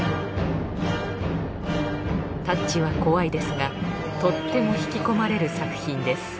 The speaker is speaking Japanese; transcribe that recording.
タッチは怖いですがとっても引き込まれる作品です